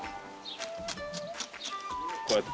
こうやって。